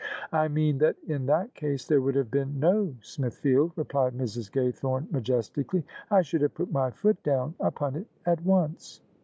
" I mean that in that case there would have been no Smith field," replied Mrs. Gaythome majestically: " I should have put my foot down upon it at once."